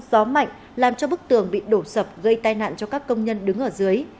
gió mạnh làm cho bức tường bị đổ sập gây tai nạn cho các công nhân đứng ở dưới